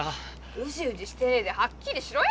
うじうじしてねえではっきりしろや！